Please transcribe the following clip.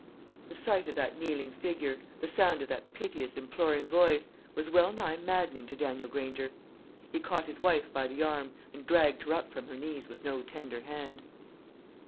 The sight of that kneeling figure, the sound of that piteous imploring voice, was well nigh maddening to Daniel Granger. He caught his wife by the arm, and dragged her up from her knees with no tender hand.